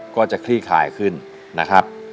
ก็จะคลี่ขายขึ้นนะครับ